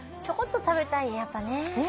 ちょこっと食べたいやっぱね。